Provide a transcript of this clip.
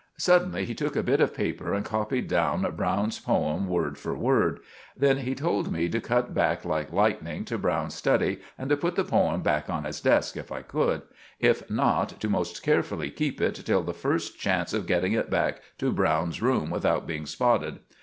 Suddenly he took a bit of paper and copied down Browne's poem word for word. Then he told me to cut back like lightning to Browne's study, and to put the poem back on his desk if I could if not, to most carefully keep it till the first chance of getting it back to Browne's room without being spotted.